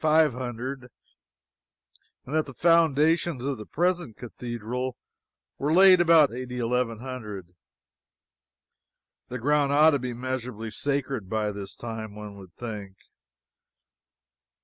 500; and that the foundations of the present cathedral were laid about A.D. 1100. The ground ought to be measurably sacred by this time, one would think.